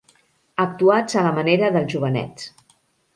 Actuats a la manera dels jovenets.